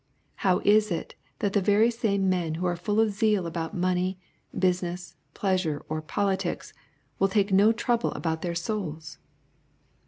How is it that the very same men who are fall of zeal about money, business, pleasure, or politics, will take no trouble about their souls